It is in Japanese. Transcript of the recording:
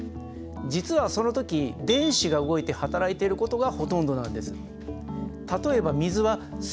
実はその時電子が動いて働いていることがほとんどなんです。